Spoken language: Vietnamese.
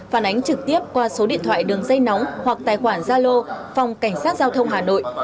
phản ánh trực tiếp qua số điện thoại đường dây nóng hoặc tài khoản gia lô phòng cảnh sát giao thông hà nội